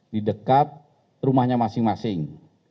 di dekat rumahnya masing masing